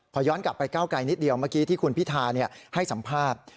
พอย้อนกลับไปก้าวไกลนิดเดียวเมื่อกี้ที่คุณพิธาให้สัมภาษณ์